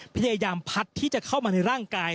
พยายามพัดที่จะเข้ามาในร่างกาย